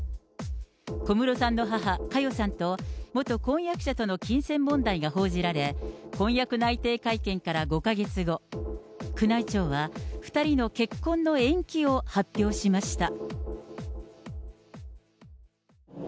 小室さんの母、佳代さんと、元婚約者との金銭問題が報じられ、婚約内定会見から５か月後、宮内庁は、２人の結婚の延期を発表しました。